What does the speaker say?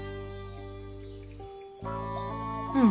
うん？